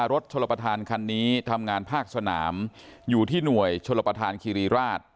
เมื่อรถชลปฐานคันนี้ทำงานภาคสนามอยู่ที่หน่วยชลปฐานคิรีราศ